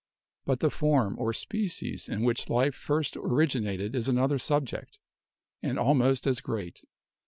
But the form or species in which life first originated is another subject, and almost as great.